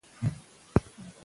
صحي عادتونه اوږد ژوند تضمینوي.